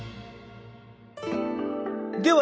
では